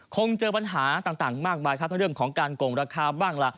คงเจอปัญหาต่างมากมายครับทั้งเรื่องของการโกงราคาบ้างล่ะ